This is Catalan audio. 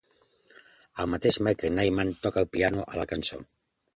El mateix Michael Nyman toca el piano a la cançó.